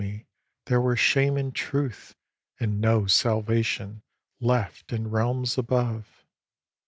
there were shame in truth And no salvation left in realms above.